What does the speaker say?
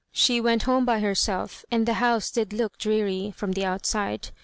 She went home by herself, and the hoose did look dreary from the outside.